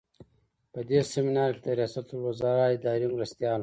په دې سمینار کې د ریاستالوزراء اداري مرستیال.